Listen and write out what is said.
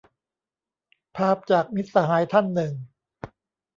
ภาพจาก มิตรสหายท่านหนึ่ง